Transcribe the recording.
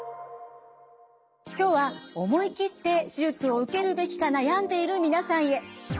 今日は思い切って手術を受けるべきか悩んでいる皆さんへ。